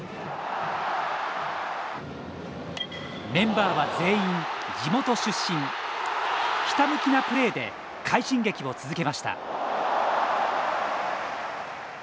メンバーは全員地元出身ひたむきなプレーで快進撃を続けました。